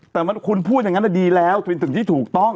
แต่คุณพูดอย่างนั้นดีแล้วเป็นสิ่งที่ถูกต้อง